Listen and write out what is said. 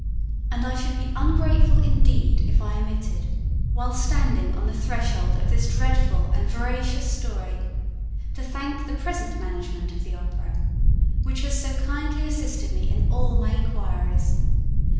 And I should be ungrateful indeed if I omitted, while standing on the threshold of this dreadful and veracious story, to thank the present management the Opera, which has so kindly assisted me in all my inquiries, and M.